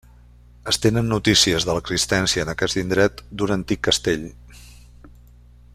Es tenen notícies de l'existència en aquest indret d'un antic castell.